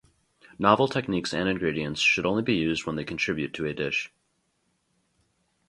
Novel techniques and ingredients should only be used when they contribute to a dish.